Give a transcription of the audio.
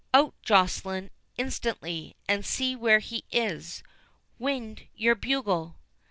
Out, Joceline, instantly, and see where he is—wind your bugle."